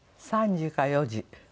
３時か４時。